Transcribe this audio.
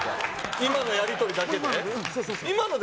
今のやり取りだけで？